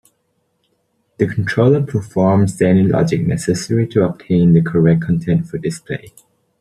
The controller performs any logic necessary to obtain the correct content for display.